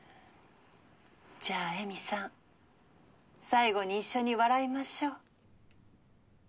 じゃあ江美さん最後に一緒に笑いましょう。